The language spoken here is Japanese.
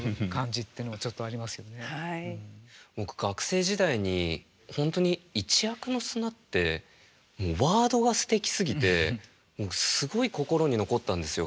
僕学生時代に本当に「一握の砂」ってもうワードがすてきすぎてすごい心に残ったんですよ